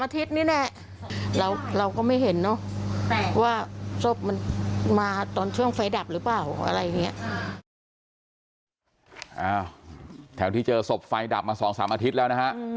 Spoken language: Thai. แถวที่เจอศพไฟดับมา๒๓อาทิตย์แล้วนะฮะ